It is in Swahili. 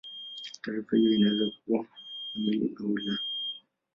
Taarifa hiyo inaweza kuwa kamili au la.